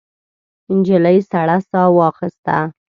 نجلۍ سړه ساه واخیسته.